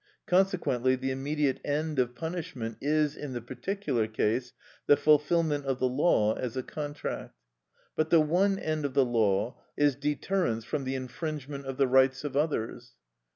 Consequently the immediate end of punishment is, in the particular case, the fulfilment of the law as a contract. But the one end of the law is deterrence from the infringement of the rights of others.